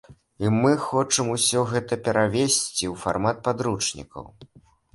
І мы хочам усё гэта перавесці ў фармат падручнікаў.